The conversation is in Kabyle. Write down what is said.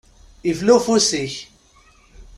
Ifla ufus-ik.